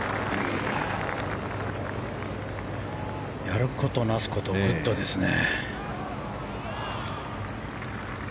やることなすことグッドですね。